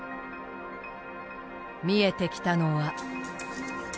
見えてきたのは。